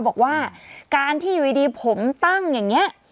บอกว่าการที่อยู่ดีผมตั้งอย่างนี้